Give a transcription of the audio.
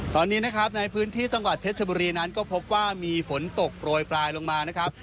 ตอนนี้นะครับในพื้นที่จังหวัดเพชรบุรีนั้นก็พบว่ามีฝนตกโปรยปลายลงมานะครับ